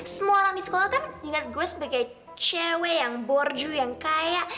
semua orang di sekolah kan inget gue sebagai cewek yang borju yang kaya